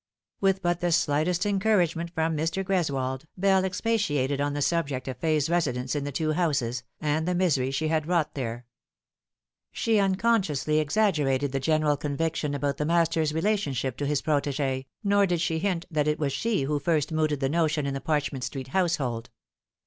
With but the slightest encouragement from Mr. Greswold, Bell expatiated on the subject of Fay's residence in the two houses, and the misery she had wrought there. She uncon Bciously exaggerated the general conviction about the master's relationship to his protegee, nor did she hint that it was she who first mooted the notion in the Parchment Street household.